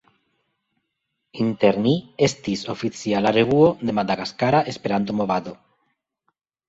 Inter Ni estis oficiala revuo de madagaskara Esperanto-movado.